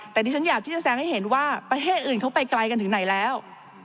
แต่ดิฉันอยากที่จะแซงให้เห็นว่าประเทศอื่นเขาไปไกลกันถึงไหนแล้ว